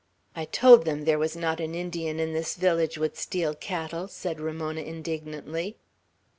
"I told them there was not an Indian in this village would steal cattle," said Ramona, indignantly.